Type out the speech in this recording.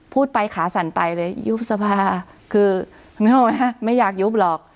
พูดไปขาสั่นไปเลยยุบสภาคือไม่อยากยุบหรอก